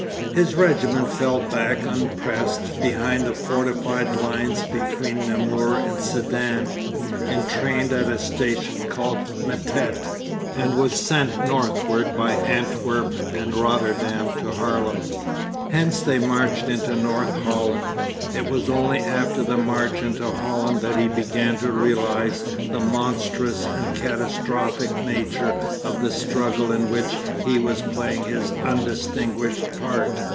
His regiment fell back unpressed behind the fortified lines between Namur and Sedan, entrained at a station called Mettet, and was sent northward by Antwerp and Rotterdam to Haarlem. Hence they marched into North Holland. It was only after the march into Holland that he began to realise the monstrous and catastrophic nature of the struggle in which he was playing his undistinguished part.